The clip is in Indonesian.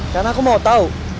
karena aku mau tau